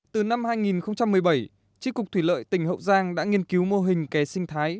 từ năm hai nghìn một mươi bảy tri cục thủy lợi tỉnh hậu giang đã nghiên cứu mô hình kè sinh thái